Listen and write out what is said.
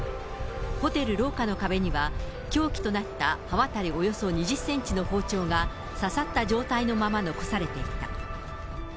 ホテル廊下の壁には、凶器となった刃渡りおよそ２０センチの包丁が、刺さった状態のまま残されていた。